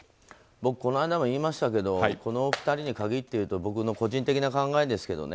僕、この間も言いましたけどこのお二人に限って言うと僕の個人的な考えですけどね